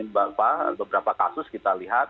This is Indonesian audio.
beberapa kasus kita lihat